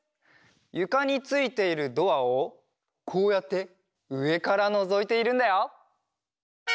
ゆかについているドアをこうやってうえからのぞいているんだよ。